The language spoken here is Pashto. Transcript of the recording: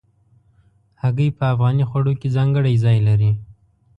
هګۍ په افغاني خوړو کې ځانګړی ځای لري.